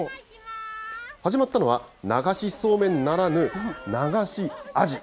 始まったのは流しそうめんならぬ、流しアジ。